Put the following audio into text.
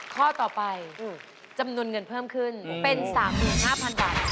ข้อต่อไปจำนวนเงินเพิ่มขึ้นเป็น๓๕๐๐๐บาท